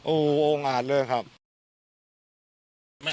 อืมโอ้วโง่าดมากเลยครับ